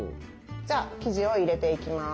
じゃあ生地を入れていきます。